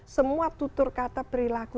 semua tutur kata perilaku